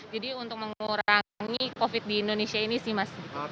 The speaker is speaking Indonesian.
jadi untuk mengurangi covid sembilan belas di indonesia ini sih mas